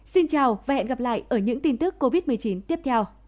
xin chào và hẹn gặp lại ở những tin tức covid một mươi chín tiếp theo